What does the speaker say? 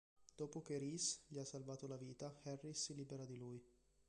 Dopo che Reece gli ha salvato la vita, Harris si libera di lui.